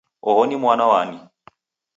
Oho ni mwana wani?